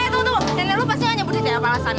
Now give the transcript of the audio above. eh tuh tuh nenek lo pasti gak nyebutin dia apa alasannya